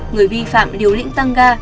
người vi phạm liều lĩnh tăng ga